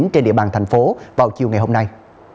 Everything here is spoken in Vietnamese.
trên địa bàn thành phố vào chiều ngày hôm nay